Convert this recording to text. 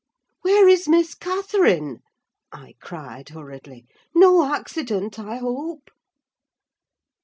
"Where is Miss Catherine?" I cried hurriedly. "No accident, I hope?"